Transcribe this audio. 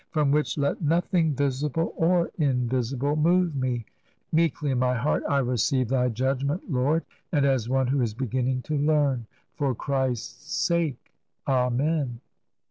From which let nothing visible or invisible move me. Meekly in my heart I receive Thy judgment. Lord, and as one who is beginning to learn. For Christ's sake. Amen."